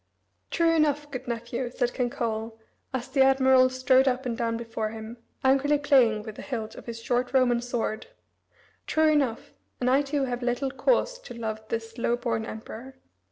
"True enough, good nephew," said King Coel, as the admiral strode up and down before him, angrily playing with the hilt of his short Roman sword, "true enough, and I too have little cause to love this low born emperor.